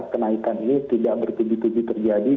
perubahan ini tidak bertubi tubi terjadi